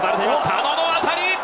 佐野の当たり！